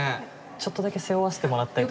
ちょっとだけ背負わせてもらったり。